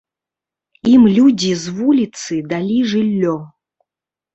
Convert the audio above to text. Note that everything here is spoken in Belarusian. Ім людзі з вуліцы далі жыллё.